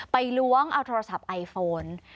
ล้วงเอาโทรศัพท์ไอโฟน